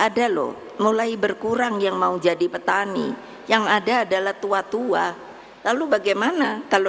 ada loh mulai berkurang yang mau jadi petani yang ada adalah tua tua lalu bagaimana kalau